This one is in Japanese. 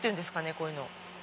こういうの。